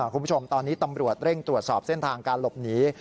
คุณผู้ชมตอนนี้ตำรวจเร่งตรวจสอบเส้นทางการหลบหนี